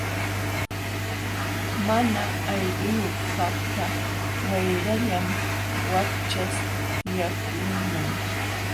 Mana aylluyuq kaqkaq wayrallam wakchaśhyaqlunman.